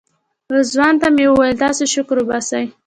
رضوان ته مې ویل تاسې شکر وباسئ.